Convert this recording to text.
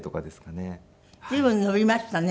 随分伸びましたね